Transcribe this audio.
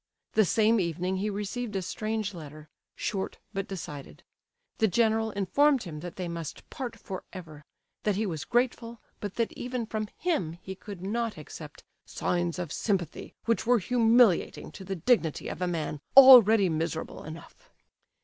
The same evening he received a strange letter, short but decided. The general informed him that they must part for ever; that he was grateful, but that even from him he could not accept "signs of sympathy which were humiliating to the dignity of a man already miserable enough."